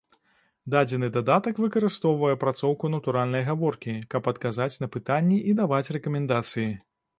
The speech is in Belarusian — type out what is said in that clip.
Дадзены дадатак выкарыстоўвае апрацоўку натуральнай гаворкі, каб адказваць на пытанні і даваць рэкамендацыі.